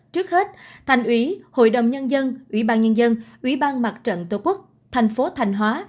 trước hết thành ủy hội đồng nhân dân ủy ban nhân dân ủy ban mặt trận tổ quốc thành phố thanh hóa